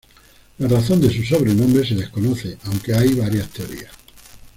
La razón de su sobrenombre se desconoce, aunque hay varias teorías.